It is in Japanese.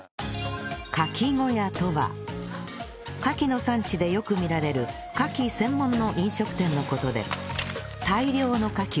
カキ小屋とはカキの産地でよく見られるカキ専門の飲食店の事で